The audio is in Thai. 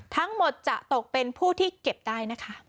ทั้งหมดจะตกเป็นผู้ที่เก็บได้นะคะ